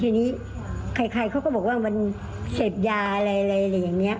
ทีนี้ใครเขาก็บอกว่ามันเสพยาอะไรอะไรอย่างนี้